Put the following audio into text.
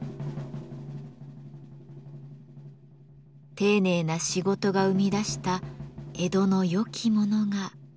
丁寧な仕事が生み出した江戸のよきものがここにありました。